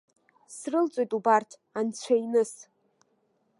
Срылҵуеит убарҭ, анцәа иныс!